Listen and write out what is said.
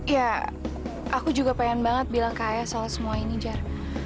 ya aku juga pengen banget bilang kak ya soal semua ini jar